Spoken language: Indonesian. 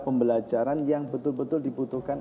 pembelajaran yang betul betul dibutuhkan